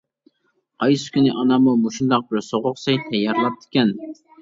قايسى كۈنى ئاناممۇ مۇشۇنداق بىر سوغۇق سەي تەييارلاپتىكەن.